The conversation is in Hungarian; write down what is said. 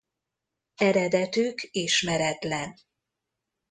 Eredetük ismeretlen.